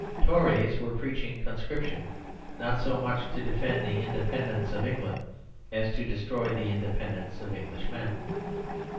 Tories were preaching conscrip tion, not so much to defend the independence of England as to destroy the independence of Englishmen.